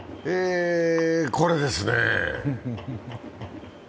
これですね。